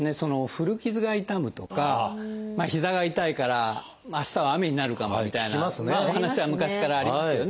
古傷が痛むとか膝が痛いから明日は雨になるかもみたいなお話は昔からありますよね。